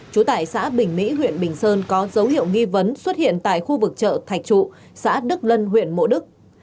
trú tại xã bình mỹ huyện bình sơn có dấu hiệu nghi vấn xuất hiện tại khu vực chợ thạch trụ xã đức lân huyện mộ đức